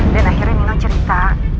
dan akhirnya nino cerita